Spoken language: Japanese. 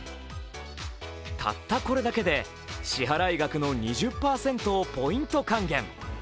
たったこれだけで、支払額の２０％をポイント還元。